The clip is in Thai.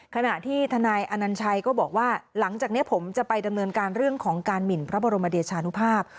ขณะที่ทนายอนัญชัยก็บอกว่าหลังจากนี้ผมจะไปดำเนินการเรื่องของการหมินพระบรมเดชานุภาพ